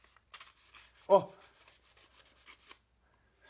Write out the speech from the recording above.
あっ。